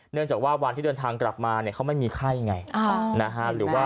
เนื่องจากว่าวันที่เดินทางกลับมาเนี่ยเขาไม่มีไข้ไงนะฮะ